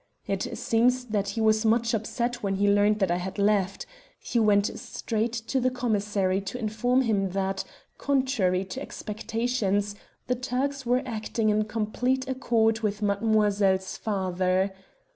"It seems that he was much upset when he learnt that I had left. He went straight to the commissary to inform him that, contrary to expectations, the Turks were acting in complete accord with mademoiselle's father.